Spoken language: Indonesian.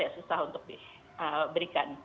ya susah untuk diberikan